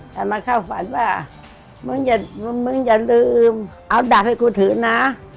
ท่านมาเข้าฝันว่ามึงอย่าลืมเอาดับให้กูถือนะ